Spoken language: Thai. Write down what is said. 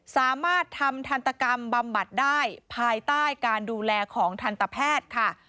สามารถทำทันตกรรมบำบัดได้ภายใต้การดูแลของทันตแพทย์ค่ะ